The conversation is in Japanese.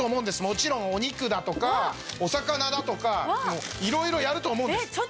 もちろんお肉だとかお魚だとかいろいろやると思うんです。